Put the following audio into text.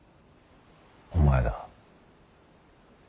お前だ。